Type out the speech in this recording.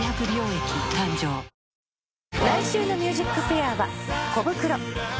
来週の『ＭＵＳＩＣＦＡＩＲ』はコブクロ。